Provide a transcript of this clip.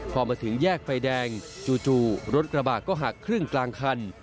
พอมาถึงแยกไฟแดงจู่รถกระบะก็หักครึ่งกลางคัน